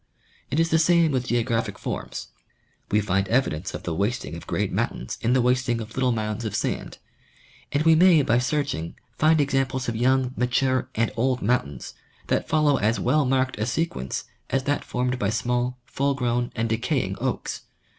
It is the same with geographic forms. We find evidence of the wasting of great mountains in the wast ing of little mounds of sand ; and we may by searching find exam ples of young, mature and old mountains, that follow as well marked a sequence as that formed by small, full grown and decaying oaks.